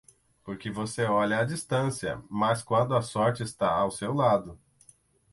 Por que você olha à distância, mas quando a sorte está ao seu lado.